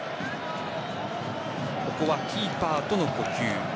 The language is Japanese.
ここはキーパーとの呼吸。